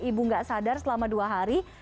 ibu nggak sadar selama dua hari